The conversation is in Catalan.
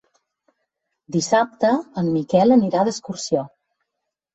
Dissabte en Miquel anirà d'excursió.